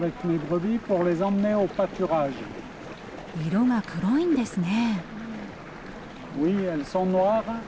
色が黒いんですね。